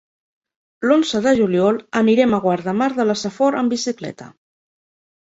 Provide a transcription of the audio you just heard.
L'onze de juliol anirem a Guardamar de la Safor amb bicicleta.